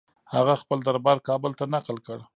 هغه خپل دربار کابل ته نقل کړ.